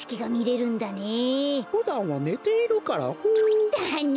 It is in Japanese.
ふだんはねているからホー。だね。